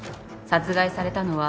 殺害されたのは。